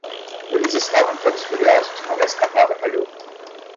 Eles estavam todos furiosos quando a escapada falhou.